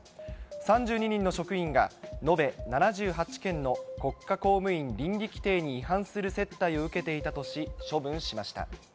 ３２人の職員が、延べ７８件の国家公務員倫理規程に違反する接待を受けていたとし、処分しました。